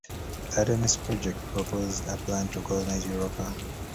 The Artemis Project proposed a plan to colonize Europa.